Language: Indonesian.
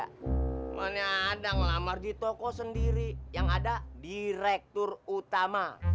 emang nyadang lamar di toko sendiri yang ada direktur utama